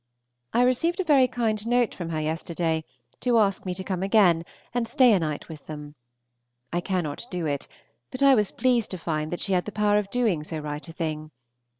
I received a very kind note from her yesterday, to ask me to come again and stay a night with them. I cannot do it, but I was pleased to find that she had the power of doing so right a thing.